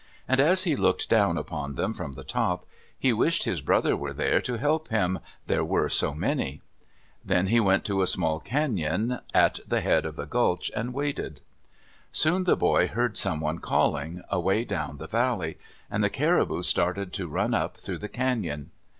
And as he looked down upon them from the top, he wished his brother were there to help him, there were so many. Then he went to a small cañon at the head of the gulch and waited. Soon the boy heard someone calling, away down the valley, and the caribou started to run up through the cañon.